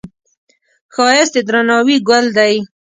ښایست د درناوي ګل دی